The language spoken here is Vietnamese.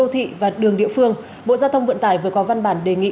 thị và đường địa phương bộ giao thông vận tải vừa có văn bản đề nghị